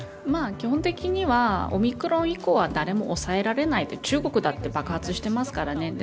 基本的には、オミクロン以降は誰も抑えられない中国だって爆発してますからね。